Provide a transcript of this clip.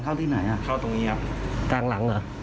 ใช่ค่ะ